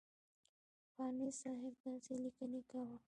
قانع صاحب داسې لیکنې کوه.